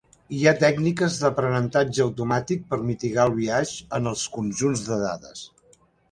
Hi ha tècniques d'aprenentatge automàtic per mitigar el biaix en els conjunts de dades.